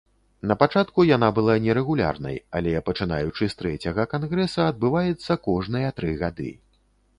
Напачатку яна была нерэгулярнай, але, пачынаючы з трэцяга кангрэса, адбываецца кожныя тры гады.